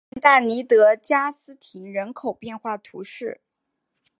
圣但尼德加斯廷人口变化图示